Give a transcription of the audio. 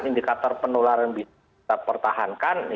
indikator penularan bisa kita pertahankan